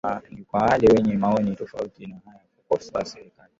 Ni kwa wale wenye maoni tofauti na ya kukosoa serikali